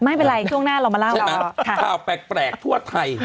ไม่เป็นไรช่วงหน้าเรามาเล่าเพราะเราอ่ะค่ะแปลกทั่วไทย